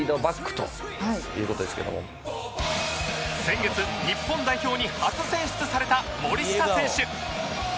先月日本代表に初選出された森下選手